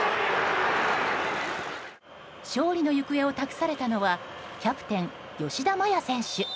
勝利の行方を託されたのはキャプテン吉田麻也選手。